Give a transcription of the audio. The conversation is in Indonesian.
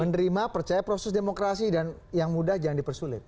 menerima percaya proses demokrasi dan yang mudah jangan dipersulit